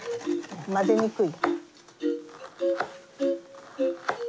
混ぜにくい。